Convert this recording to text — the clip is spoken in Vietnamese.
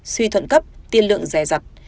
suy thuận cấp tiên lượng rẻ rặt